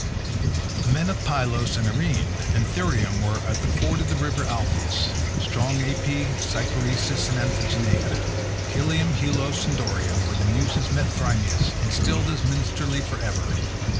The men of Pylos and Arene, and Thryum where is the ford of the river Alpheus; strong Aipy, Cyparisseis, and Amphigenea; Pteleum, Helos, and Dorium, where the Muses met Thamyris, and stilled his minstrelsy for ever.